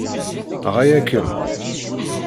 Ɣaya-kem!